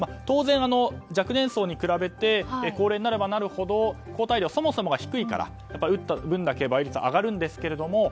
当然、若年層に比べて高齢になればなるほど抗体量はそもそもが低いから打った分だけ倍率は上がるんですけども。